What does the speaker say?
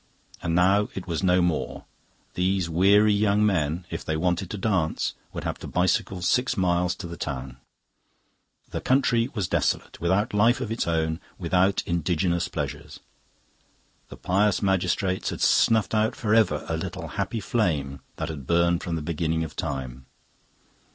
And now it was no more. These weary young men, if they wanted to dance, would have to bicycle six miles to the town. The country was desolate, without life of its own, without indigenous pleasures. The pious magistrates had snuffed out for ever a little happy flame that had burned from the beginning of time.